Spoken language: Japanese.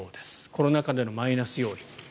コロナ禍でのマイナス要因。